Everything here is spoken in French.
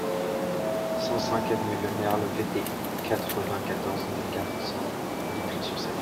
cent cinq avenue Lemerle Vetter, quatre-vingt-quatorze mille quatre cents Vitry-sur-Seine